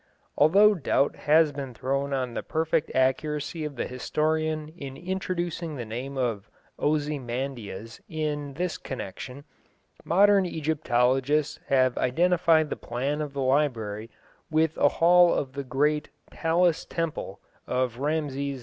Although doubt has been thrown on the perfect accuracy of the historian in introducing the name of Osymandyas in this connection, modern Egyptologists have identified the plan of the library with a hall of the great "palace temple" of Rameses II.